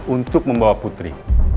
untuk membawa putri